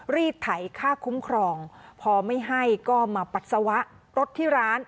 รีดไถค่าคุ้มครองพอไม่ให้ก็มาปัสสาวะรถที่ร้าน